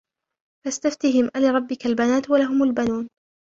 فاستفتهم ألربك البنات ولهم البنون